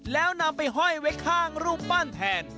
แล้วนำไปห้อยไว้ข้างรูปปั้นแทน